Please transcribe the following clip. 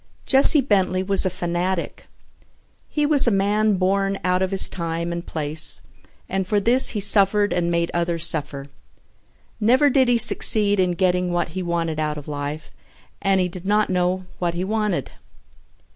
Jesse Bentley was a fanatic. He was a man born out of his time and place and for this he suffered and made others suffer. Never did he succeed in getting what he wanted out of life and he did not know what he wanted.